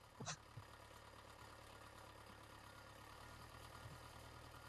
Jaguars and harpy eagles are among the few natural predators of the brown-throated sloth.